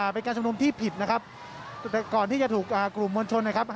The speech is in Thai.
เป็นการชุมนุมที่ผิดนะครับแต่ก่อนที่จะถูกกลุ่มมวลชนนะครับ